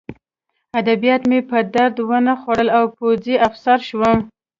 ادبیات مې په درد ونه خوړل او پوځي افسر شوم